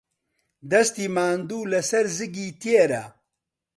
دەستی ماندوو لەسەر زگی تێرە.